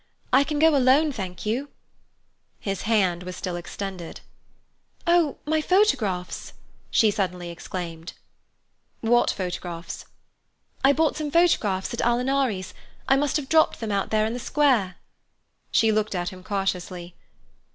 I can go alone, thank you." His hand was still extended. "Oh, my photographs!" she exclaimed suddenly. "What photographs?" "I bought some photographs at Alinari's. I must have dropped them out there in the square." She looked at him cautiously.